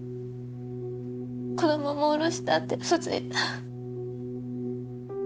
子供もおろしたってウソついた。